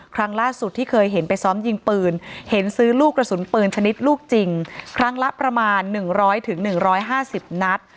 ครั้งล่าสุดที่เคยเห็นไปซ้อมยิงปืนเห็นซื้อลูกกระสุนปืนชนิดลูกจริงครั้งละประมาณ๑๐๐๑๕๐นัด